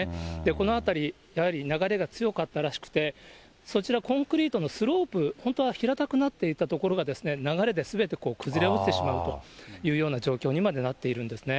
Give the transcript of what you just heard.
この辺り、やはり流れが強かったらしくて、そちら、コンクリートのスロープ、本当は平たくなっていた所が、流れですべて崩れ落ちてしまうというような状況になっているんですね。